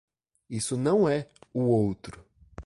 Isso não é - o outro.